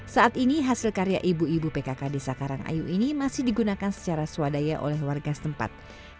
saat ini hasil karya ibu ibu pkk desa karangayu ini masih digunakan secara swadaya oleh warga setempat